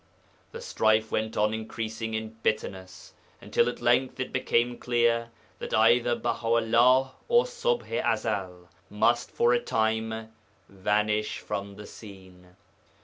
The strife went on increasing in bitterness, until at length it became clear that either Baha 'ullah or Ṣubḥ i Ezel must for a time vanish from the scene.